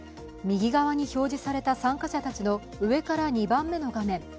右側に表示された参加者たちの上から２番目の画面